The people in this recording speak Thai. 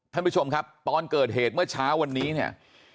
ท่านผู้ชมครับตอนเกิดเหตุเมื่อเช้าวันนี้เนี่ย